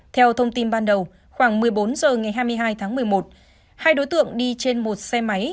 theo thông tin ban đầu khoảng một mươi bốn h ngày hai mươi hai tháng một mươi một hai đối tượng đi trên một xe máy